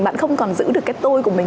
bạn không còn giữ được cái tôi của mình